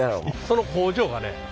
その工場がね